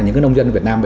những nông dân việt nam